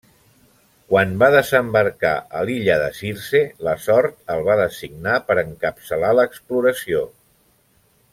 Quan van desembarcar a l'illa de Circe la sort el va designar per encapçalar l'exploració.